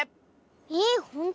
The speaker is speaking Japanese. えほんと？